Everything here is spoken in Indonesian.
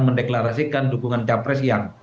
mendeklarasikan dukungan capres yang